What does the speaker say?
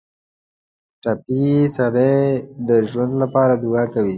ټپي سړی د ژوند لپاره دعا کوي.